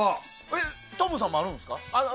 トムさんもあるんですか？